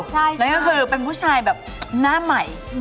แล้วก็คือเป็นผู้ชายแบบหน้าใหม่